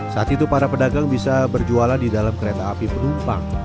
saat itu para pedagang bisa berjualan di dalam kereta api penumpang